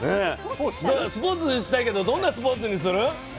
スポーツしたいけどどんなスポーツにする？